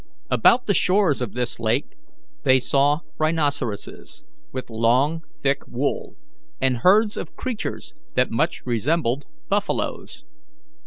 About the shores of this lake they saw rhinoceroses with long thick wool, and herds of creatures that much resembled buffaloes.